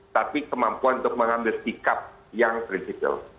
tapi kemampuan untuk mengambil sikap yang prinsipil